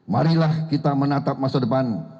marilah kita menatap masa depan